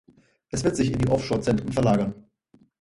Es wird sich in die Offshore-Zentren verlagern.